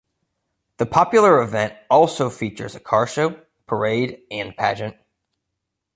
The popular event also features a car show, parade, and pageant.